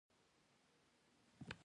د هرات په ګلران کې د سمنټو مواد شته.